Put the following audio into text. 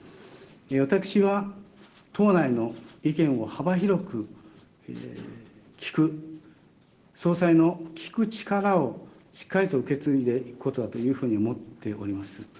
私は党内の意見を幅広く総裁の聞く力をしっかりと受け継いでいくことだというふうに思っております。